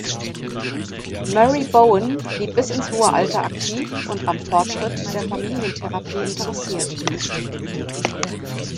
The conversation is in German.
Murray Bowen blieb bis ins hohe Alter aktiv und am Fortschritt der Familientherapie interessiert.